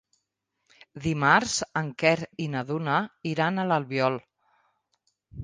Dimarts en Quer i na Duna iran a l'Albiol.